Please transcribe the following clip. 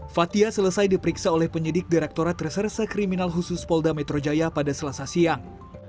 fathia selesai diperiksa oleh penyidik direkturat reserse kriminal khusus polda metro jaya pada selasa siang